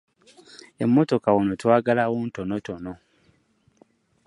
Emmotoka wano twagalawo ntonotono.